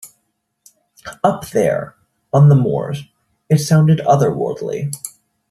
Up there, on the moors, it sounded otherworldly.